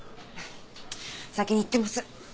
先に行ってます。